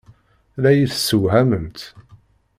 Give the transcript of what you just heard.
La iyi-tessewhamemt.